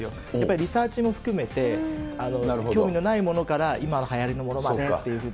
リサーチも含めて、興味のないものから、今のはやりのものまでっていうふうに。